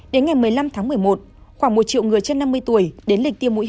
đến ngày một mươi năm tháng một mươi một khoảng một triệu người trên năm mươi tuổi đến lịch tiêm mũi